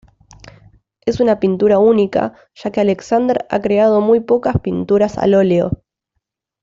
Es una pintura única ya que Alexander ha creado muy pocas pinturas al óleo.